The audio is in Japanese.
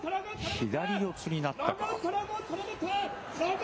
左四つになったか。